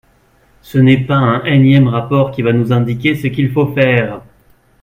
Ce n’est pas un énième rapport qui va nous indiquer ce qu’il faut faire.